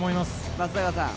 松坂さん